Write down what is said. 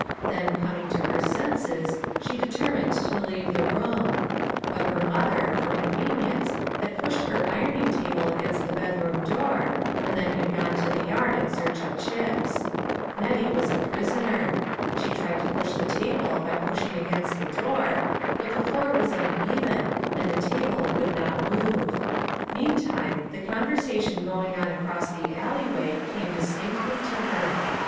Then, coming to her senses, she de* 298 LITTLE FISHEKS: AND THEIE NETS. termined to leave the room ; but her mother, for convenience, had pushed her ironing table against the bedroom door, and then had gone to the yard in search of chips ; Nettie was a pris oner; she tried to push the table by pushing against the door, but the floor was uneven, and the table would not move ; meantime the con versation going on across the alleyway, came distinctly to her.